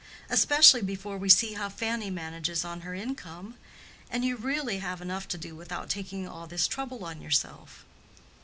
Especially before we see how Fanny manages on her income. And you really have enough to do without taking all this trouble on yourself."